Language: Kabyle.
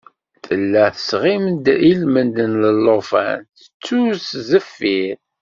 Tella tesɣimt ilmend n llufan, tettrus s deffir.